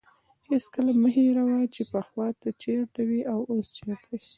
هېڅکله مه هېروه چې پخوا ته چیرته وې او اوس چیرته یې.